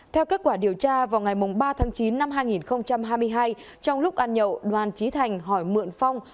theo kết quả điều tra vào ngày ba tháng chín năm hai nghìn hai mươi hai trong lúc ăn nhậu đoàn trí thành hỏi mượn phong